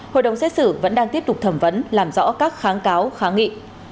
hội đồng xét xử vẫn đang tiếp tục thẩm vấn làm rõ các kháng cáo kháng nghị